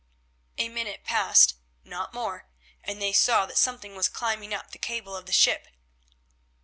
A minute passed, not more, and they saw that something was climbing up the cable of the ship.